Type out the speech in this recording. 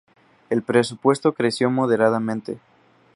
El presupuesto creció moderadamente.